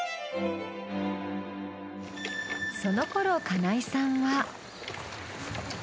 そのころ金井さんは。